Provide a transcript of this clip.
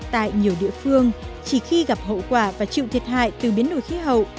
tại nhiều địa phương chỉ khi gặp hậu quả và chịu thiệt hại từ biến đổi khí hậu